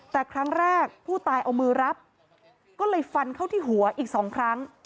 แต่ครั้งแรกผู้ตายเอามือรับก็เลยฟันเข้าที่หัวอีกสองครั้ง